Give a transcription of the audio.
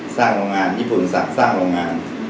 สร้างโรงงานญี่ปุ่นสั่งสร้างโรงงาน